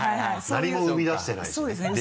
何も生み出してないしね。